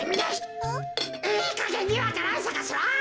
いいかげんにわか蘭さかせろ！